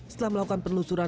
setelah melakukan penelusuran